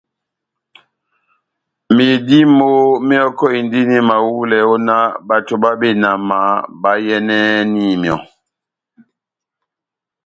Medímo mehɔkɔhindini mahulɛ ó nah bato bá benama bayɛ́nɛni myɔ́.